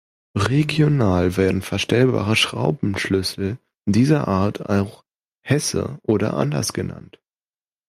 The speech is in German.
Regional werden verstellbare Schraubenschlüssel dieser Art auch „Hesse“ oder anders genannt.